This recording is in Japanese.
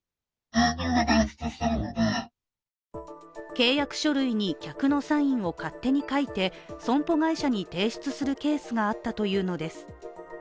契約書類に客のサインを勝手に書いて、損保会社に提出するケースがあったというのです。